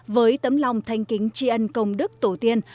với tấm lòng thanh kính tri ân công đức tổ tiên